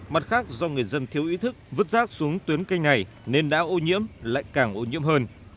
mặt khác do người dân thiếu ý thức vứt rác xuống tuyến kênh này nên đã ô nhiễm lại càng ô nhiễm hơn